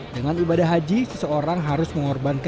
dengan ibadah haji seseorang harus mengorbankan